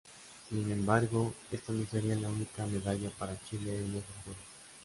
Sin embargo, esta no sería la única medalla para Chile en esos juegos.